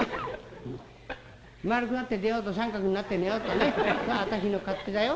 「まあるくなって寝ようと三角になって寝てようとね私の勝手だよ。